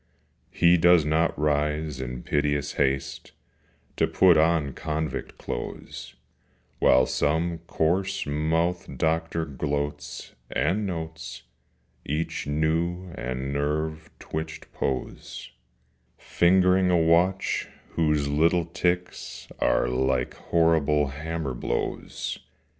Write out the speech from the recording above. He does not rise in piteous haste To put on convict clothes, While some coarse mouthed Doctor gloats, and notes Each new and nerve twitched pose, Fingering a watch whose little ticks Are like horrible hammer blows.